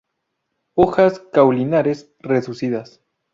Hojas caulinares reducidas.